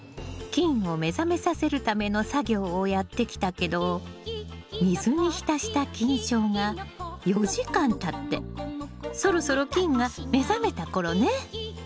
菌を目覚めさせるための作業をやってきたけど水に浸した菌床が４時間たってそろそろ菌が目覚めた頃ね。